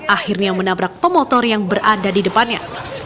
akhirnya menabrak pemotor yang berada di depannya